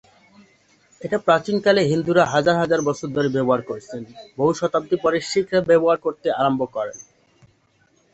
এটা প্রাচীন কালে হিন্দুরা হাজার হাজার বছর ধরে ব্যবহার করেছেন, বহু শতাব্দী পরে শিখরা ব্যবহার করতে আরম্ভ করেন।